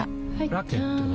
ラケットは？